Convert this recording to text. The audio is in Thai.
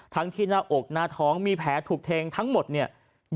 ที่หน้าอกหน้าท้องมีแผลถูกแทงทั้งหมดเนี่ย